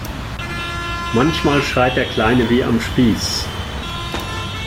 Manchmal schreit der Kleine wie am Spieß.